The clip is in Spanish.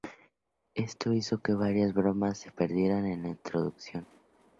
Esto hizo que varias bromas se perdieran en la traducción.